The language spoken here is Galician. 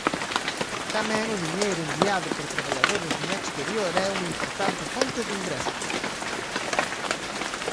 Tamén o diñeiro enviado por traballadores no exterior é unha importante fonte de ingresos.